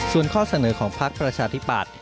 ส่วนข้อเสนอของพักประชาธิปัตย